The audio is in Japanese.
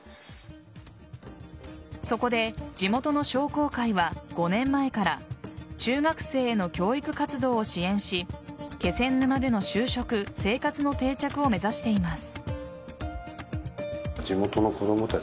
そこで地元の商工会は５年前から中学生の教育活動を支援し気仙沼での就職生活の定着を目指しています。